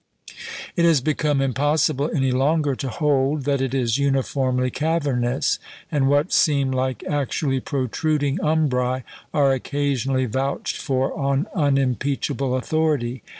It has become impossible any longer to hold that it is uniformly cavernous; and what seem like actually protruding umbræ are occasionally vouched for on unimpeachable authority.